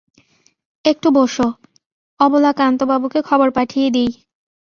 একটু বোসো, অবলাকান্তবাবুকে খবর পাঠিয়ে দিই।